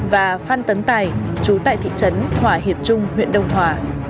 và phan tấn tài chú tại thị trấn hỏa hiệp trung huyện đông hòa